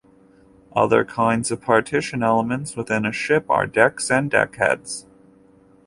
Other kinds of partition elements within a ship are decks and deckheads.